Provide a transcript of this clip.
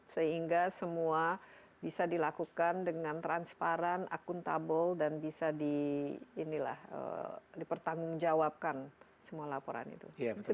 sehingga semua bisa dilakukan dengan transparan akuntabel dan bisa dipertanggungjawabkan semua laporan itu